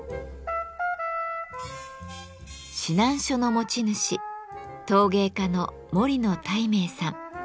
指南書の持ち主陶芸家の森野泰明さん。